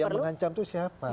yang mengancam itu siapa